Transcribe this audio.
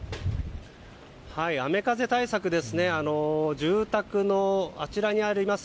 雨風対策は住宅のあちらにあります